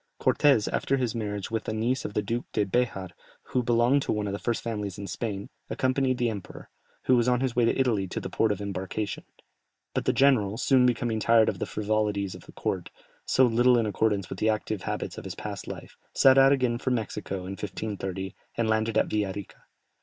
Cortès, after his marriage with the niece of the Duke de Béjar, who belonged to one of the first families in Spain, accompanied the emperor, who was on his way to Italy, to the port of embarkation; but the general, soon becoming tired of the frivolities of a court, so little in accordance with the active habits of his past life, set out again for Mexico in 1530, and landed at Villa Rica.